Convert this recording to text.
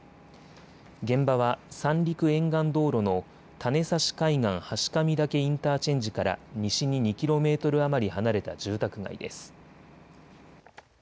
現場は三陸沿岸道路の種差海岸階上岳インターチェンジから西に２キロメートル余り離れた住宅街です。